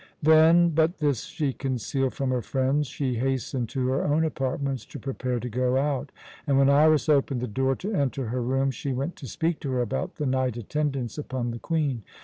Then but this she concealed from her friends she hastened to her own apartments to prepare to go out, and when Iras opened the door to enter her rooms she went to speak to her about the night attendance upon the Queen.